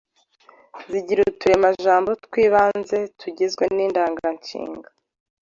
Zigira uturemajambo tw’ibanze tugizwe n’indanganshinga,